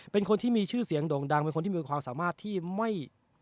เป็นคนที่มีชื่อเสียงโด่งดังเป็นคนที่มีความสามารถที่ไม่